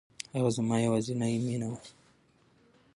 هغه زما يوازينی مینه وه.